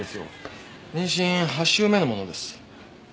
妊娠８週目のものです。